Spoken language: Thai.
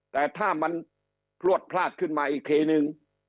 แต่ถ้ามันพลวดพลาดขึ้นมาอีกทีนึง